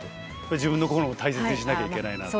自分の心も大切にしなきゃいけないなって。